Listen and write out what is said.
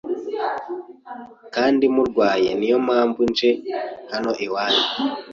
kandi murwaye niyo mpamvu nje hanoiwanyu